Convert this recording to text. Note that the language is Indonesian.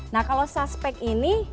nah kalau suspek ini